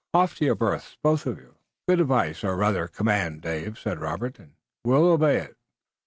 Off to your berths, both of you." "Good advice, or rather command, Dave," said Robert, "and we'll obey it."